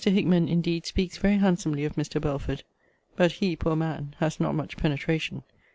Hickman, indeed, speaks very handsomely of Mr. Belford. But he, poor man! has not much penetration.